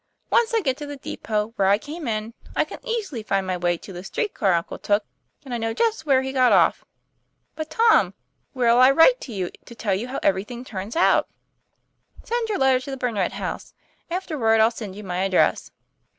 Once I get to the depot where I came in, I can easily find my way to the street car uncle took, and I know just where he got off." 'But, Tom, where' 11 I write to you, to tell you how everything turns out ?"' Send your letter to the Burnet House; afterward I'll send you my address."